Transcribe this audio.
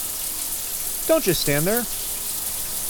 Don't just stand there!